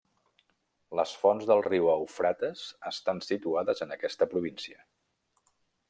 Les fonts del riu Eufrates estan situades en aquesta província.